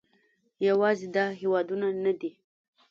یوازې دا هېوادونه نه دي